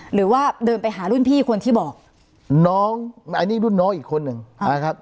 หรือว่าเดินไปหารุ่นพี่คนที่บอกน้องอันนี้รุ่นน้องอีกคนหนึ่งอ่าครับ